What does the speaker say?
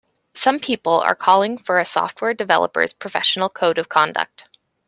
Some people are calling for a software developers' professional code of conduct.